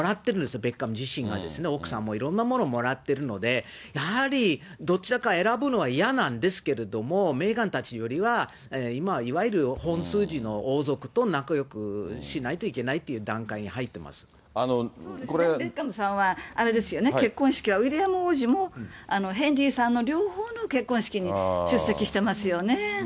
ベッカム自身が、奥さんもいろいろなものをもらってるので、やはり、どちらか選ぶのは嫌なんですけれども、メーガンたちよりは今は、いわゆる本筋の王族と仲よくしないといけないという段階に入ってベッカムさんはあれですよね、結婚式はウィリアム王子もヘンリーさんの両方の結婚式に出席してますよね。